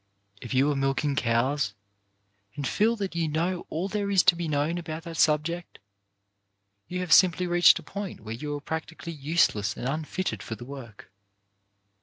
If you are milking cows, and feel that you know all there is to be known about that subject, you have simply reached a point where you are practically useless and unfitted for the work.